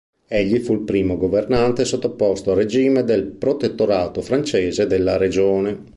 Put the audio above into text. Egli fu il primo governante sottoposto al regime del protettorato francese della regione.